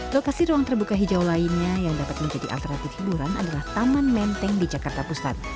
lokasi ruang terbuka hijau lainnya yang dapat menjadi alternatif hiburan adalah taman menteng di jakarta pusat